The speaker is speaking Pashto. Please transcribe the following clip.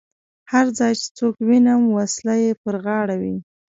هر ځای چې څوک وینم وسله یې پر غاړه وي.